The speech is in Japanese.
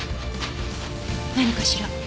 何かしら？